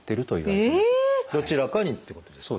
どちらかにってことですか？